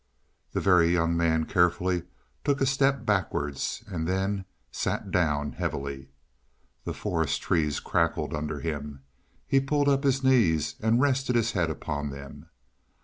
The Very Young Man carefully took a step backwards, and then sat down heavily. The forest trees crackled under him. He pulled up his knees, and rested his head upon them.